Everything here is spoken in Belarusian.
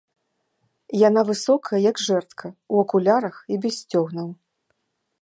Яна высокая, як жэрдка, у акулярах і без сцёгнаў.